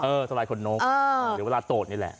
เออสาหร่ายคนโน๊กเดี๋ยวเวลาโต๊ดนี่แหละ